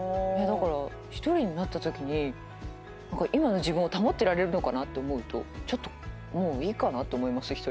だから１人になったときに今の自分を保ってられるのかなって思うともういいかなと思います。